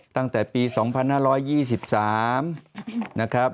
ตั้งแต่ปี๒๕๒๓นะครับ